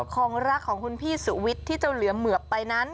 ของรักของคุณพี่สุวิทย์ที่เจ้าเหลือเหมือบไปนั้น